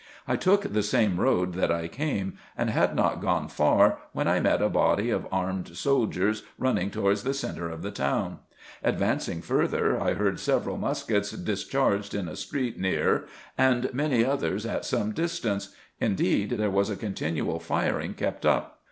I took the same road that I came, and had not gone far, when I met a body of armed soldiers running towards the centre of the town. Advancing further I heard several muskets discharged in a street near, and many others at some distance ; indeed there was a continual firing kept up.